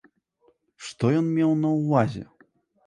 Што ён меў на ўвазе?